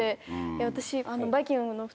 私。